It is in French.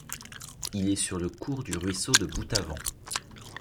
Il est sur le cours du ruisseau de Boutavent.